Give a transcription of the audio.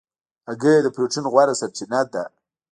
هګۍ د پروټین غوره سرچینه ده.